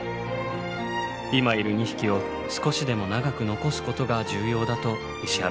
今いる２匹を少しでも長く残すことが重要だと石原さんは言います。